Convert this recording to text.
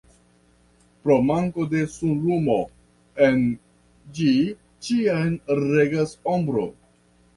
Pro manko de sunlumo, en ĝi ĉiam regas ombro.